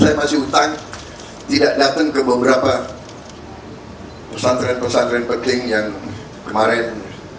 saya kasih hutang tidak datang ke beberapa pesantren pesantren penting yang kemarin